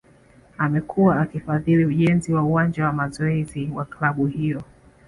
Amekuwa akifadhili ujenzi wa uwanja wa mazoezi wa klabu hiyo